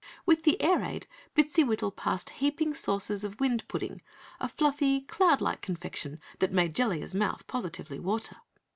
With the air ade Bittsywittle passed heaping saucers of wind pudding, a fluffy, cloud like confection that made Jellia's mouth positively water.